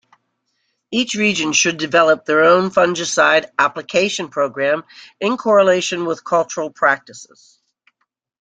Each region should develop their own fungicide application program in correlation with cultural practices.